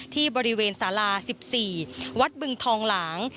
ที่บริเวณสารา๑๔วัดบึงทองหลาง